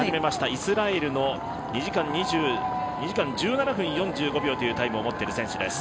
イスラエルの２時間１７分４５秒というタイムを持っている選手です。